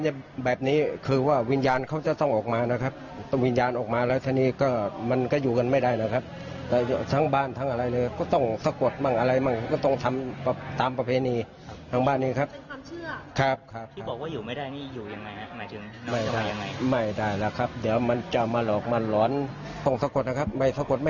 อย่างวิญญาณเด็กกับวิญญาณผู้ใหญ่ที่ตายภายความเฮียนอันไหนได้เฮียนกว่ากันครับผม